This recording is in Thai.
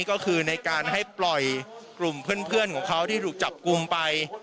ก็คือในการให้ปล่อยกลุ่มเพื่อนของเขาที่ถูกจับกลุ่มไป